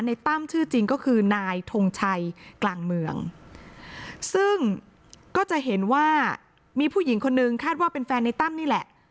ตั้มชื่อจริงก็คือนายทงชัยกลางเมืองซึ่งก็จะเห็นว่ามีผู้หญิงคนนึงคาดว่าเป็นแฟนในตั้มนี่แหละ